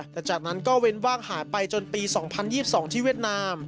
แต่จากนั้นก็เว้นว่างหาไปจนปีสองพันยี่สิบสองที่เวียดนาม